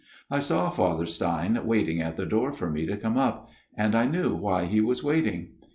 I saw Father Stein waiting at the door for me to come up ; and I knew why he was waiting.